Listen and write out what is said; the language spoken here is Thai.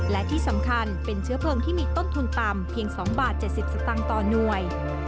และที่สำคัญเป็นเชื้อเพลิงที่มีต้นทุนต่ำเพียง๒บาท๗๐สตางค์ต่อหน่วย